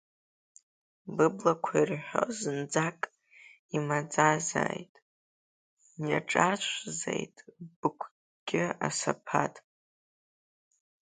Быблақәа ирҳәо зынӡак имаӡазааит, иаҿаршәзааит быгәгьы асаԥаҭ…